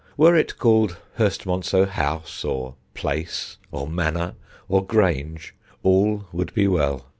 Were it called Hurstmonceux House, or Place, or Manor, or Grange, all would be well.